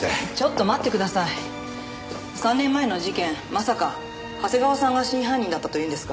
まさか長谷川さんが真犯人だったというんですか？